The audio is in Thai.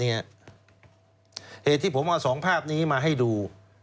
ยิงภาพนี้มาให้ดู